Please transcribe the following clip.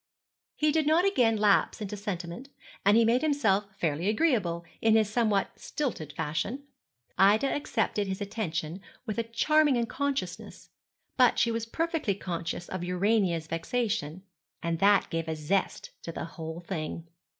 He did not again lapse into sentiment, and he made himself fairly agreeable, in his somewhat stilted fashion. Ida accepted his attention with a charming unconsciousness; but she was perfectly conscious of Urania's vexation, and that gave a zest to the whole thing.